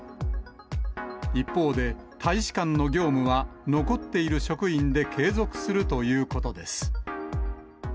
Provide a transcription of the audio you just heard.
一方で、大使館の業務は、残っている職員で継続するということです。